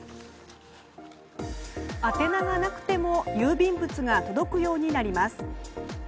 宛名がなくても郵便物が届くようになります。